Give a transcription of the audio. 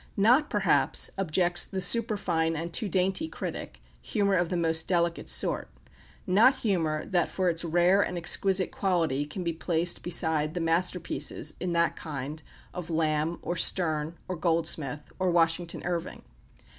Not, perhaps, objects the superfine and too dainty critic, humour of the most delicate sort not humour that for its rare and exquisite quality can be placed beside the masterpieces in that kind of Lamb, or Sterne, or Goldsmith, or Washington Irving.